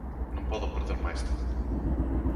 Non podo perder máis tempo.